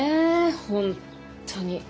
本当に。